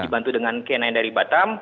dibantu dengan kna dari batam